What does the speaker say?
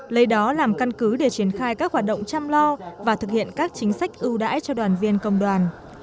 lấy đó làm căn cứ để triển khai các hoạt động chăm lo và thực hiện các chính sách ưu đãi cho đoàn viên công đoàn